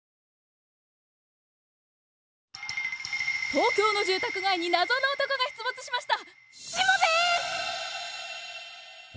東京の住宅街に謎の男が出没しました！